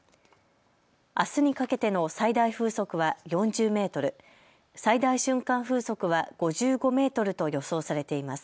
あすにかけての最大風速は４０メートル、最大瞬間風速は５５メートルと予想されています。